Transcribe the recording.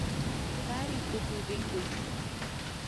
Kari tukuyrikuy